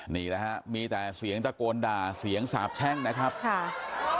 นี่แหละฮะมีแต่เสียงตะโกนด่าเสียงสาบแช่งนะครับค่ะ